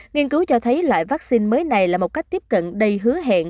nghiên cứu cho thấy loại vắc xin mới này là một cách tiếp cận đầy hứa hẹn